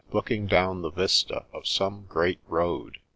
. looking down the vista of some great road